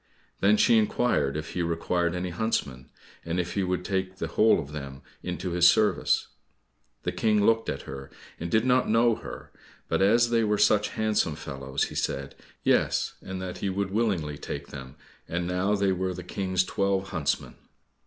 Then she inquired if he required any huntsmen, and if he would take the whole of them into his service. The King looked at her and did not know her, but as they were such handsome fellows, he said, "Yes," and that he would willingly take them, and now they were the King's twelve huntsmen.